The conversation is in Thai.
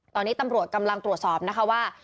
ตอนนี้ตำรวจกำลังตรวจสอบนะคะว่า